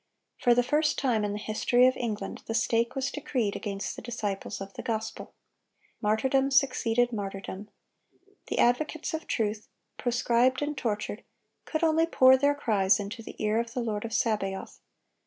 For the first time in the history of England, the stake was decreed against the disciples of the gospel. Martyrdom succeeded martyrdom. The advocates of truth, proscribed and tortured, could only pour their cries into the ear of the Lord of Sabaoth.